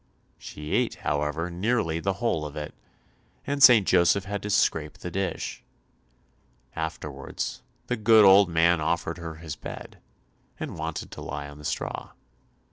She ate, however, nearly the whole of it, and St. Joseph had to scrape the dish. Afterwards, the good old man offered her his bed, and wanted to lie on the straw.